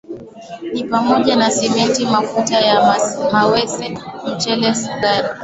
ni pamoja na Simenti mafuta ya mawese mchele sukari